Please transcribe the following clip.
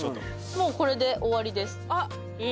もうこれで終わりです。